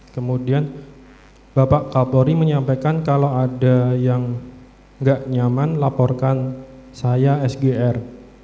kemudian bapak kapolri menyampaikan kalau ada yang nggak nyaman laporkan saya sgr